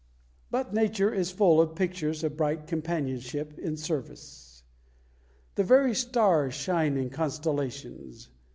But Nature is full of pictures of bright companionship in service; the very stars shine in constellations.